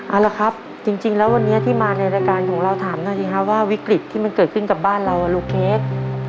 เอาละครับจริงแล้ววันนี้ที่มาในรายการของเราถามหน่อยสิครับว่าวิกฤตที่มันเกิดขึ้นกับบ้านเราลูกเค้ก